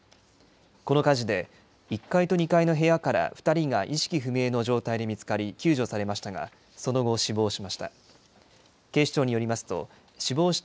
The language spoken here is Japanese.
この火事で１階と２階の部屋から２人が意識不明の状態で見つかり、救助されましたが、その後、死亡しました。